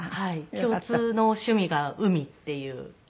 共通の趣味が海っていう感じですね。